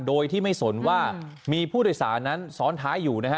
โดยที่ไม่สนว่ามีผู้โดยสารนั้นซ้อนท้ายอยู่นะฮะ